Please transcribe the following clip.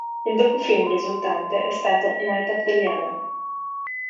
Il docufilm risultante è stato "Night of the Liana".